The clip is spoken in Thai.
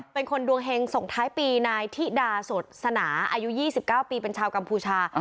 เป็นคนดวงเฮงส่งท้ายปีนายธิดาสดสนาอายุ๒๙ปีเป็นชาวกัมพูชา